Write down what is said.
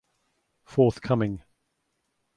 Forthcoming.